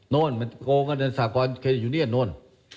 โน้นมันโกงกันในสถาบันเครดินยุเนียนโน้น